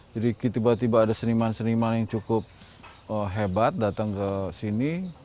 jadi tiba tiba ada seniman seniman yang cukup hebat datang ke sini